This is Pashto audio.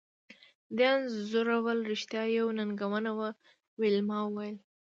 د دې انځورول رښتیا یوه ننګونه وه ویلما وویل